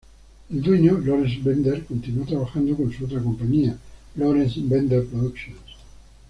El dueño, Lawrence Bender, continuó trabajando con su otra compañía, Lawrence Bender Productions.